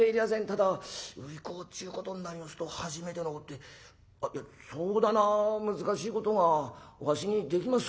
ただ売り子ちゅうことになりますと初めてのこってそだな難しいことがわしにできますかい？」。